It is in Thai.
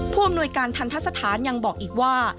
ผู้อำนวยการทันทะสถานยังบอกอีกว่า